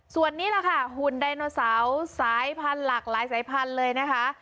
ส่วนนี้แหละค่ะหุ่นไดโนเสาร์สายพันธุ์หลากหลายสายพันธุ์เลยนะคะ